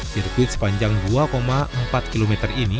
sirkuit sepanjang dua empat km ini